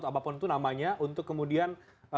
apapun itu namanya untuk kemudian